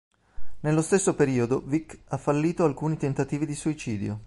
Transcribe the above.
Nello stesso periodo Vic ha fallito alcuni tentativi di suicidio.